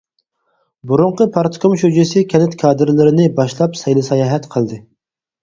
بۇرۇنقى پارتكوم شۇجىسى كەنت كادىرلىرىنى باشلاپ سەيلە-ساياھەت قىلدى.